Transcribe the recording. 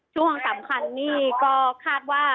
ช่วงสำคัญนี่ก็คาดว่า